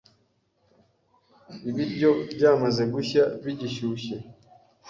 ibiryo byamaze gushya bigishyushye